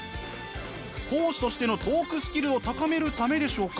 講師としてのトークスキルを高めるためでしょうか？